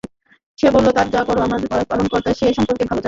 সে বলল, তোমরা যা কর, আমার পালনকর্তা সে সম্পর্কে ভাল জানেন।